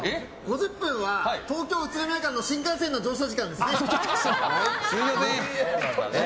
５０分は東京宇都宮間の新幹線の乗車時間です。